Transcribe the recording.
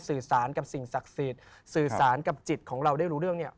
สื่อสารกับสิ่งศักดิ์สิทธิ์สื่อสารกับจิตของเราได้รู้เรื่องเนี่ย